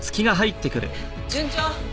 順調？